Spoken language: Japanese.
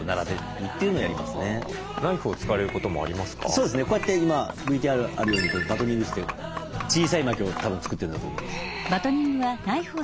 そうですねこうやって今ＶＴＲにあるようにバトニングといって小さい薪をたぶん作ってるんだと思います。